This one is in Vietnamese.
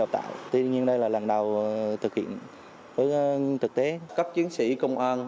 trong lòng nhân dân